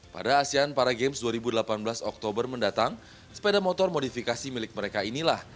pada asean para games dua ribu delapan belas oktober mendatang sepeda motor modifikasi milik mereka inilah